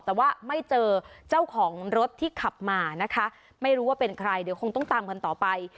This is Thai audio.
แต่ว่าไม่เจอเจ้าของรถที่ขับมานะคะไม่รู้ว่าเป็นใครเดี๋ยวคงต้องตามกันต่อไป